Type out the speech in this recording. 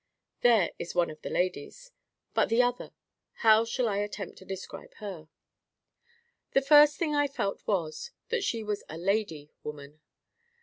There is one of the ladies. But the other—how shall I attempt to describe her? The first thing I felt was, that she was a lady woman.